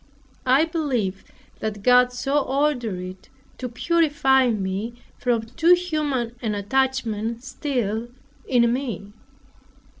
I believe that God so ordered it to purify me from too human an attachment still in me.